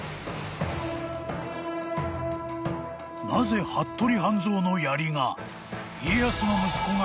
［なぜ服部半蔵のやりが］